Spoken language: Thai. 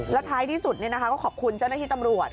แล้วท้ายที่สุดก็ขอบคุณเจ้าหน้าที่ตำรวจ